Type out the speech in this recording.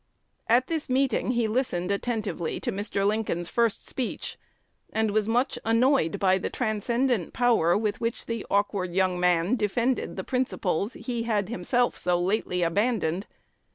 At this meeting he listened attentively to Mr. Lincoln's first speech, and was much annoyed by the transcendent power with which the awkward young man defended the principles he had himself so lately abandoned.